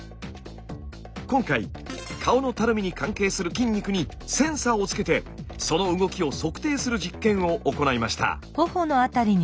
今回顔のたるみに関係する筋肉にセンサーを付けてその動きを測定する実験を行いました。